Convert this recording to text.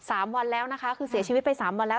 สามวันแล้วนะคะคือเสียชีวิตไปสามวันแล้ว